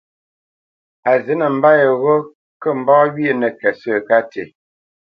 A zǐ nəmbât ghó kə mbá wyê nə́kət sə̂ ka tî.